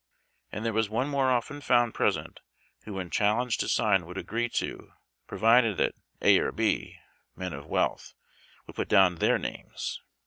And there was one more often found present who when challenged to sign would agree to, p7 o vided that A or B (men of wealth) would put down their names.